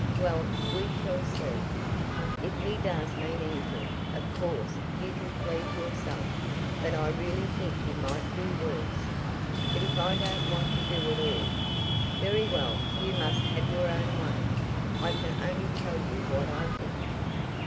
"Well, we shall see. If he does mean anything, of course you can please yourself; but I really think you might do worse." "But if I don't want to do at all?" "Very well; you must have your own way. I can only tell you what I think."